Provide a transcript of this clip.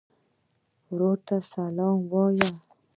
ورور ته سلام وایې.